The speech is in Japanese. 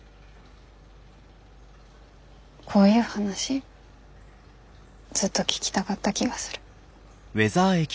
こういう話ずっと聞きたかった気がする。